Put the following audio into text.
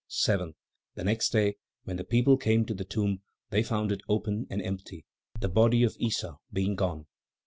7. The next day, when the people came to the tomb, they found it open and empty, the body of Issa being gone.